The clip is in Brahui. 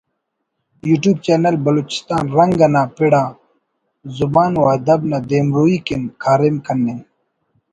یوٹیوب چینل ”بلوچستان رنگ“ نا پڑ آن زبان و ادب نا دیمروی کن کاریم کننگ